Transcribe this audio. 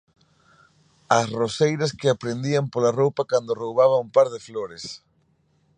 As roseiras que a prendían pola roupa cando roubaba un par de flores.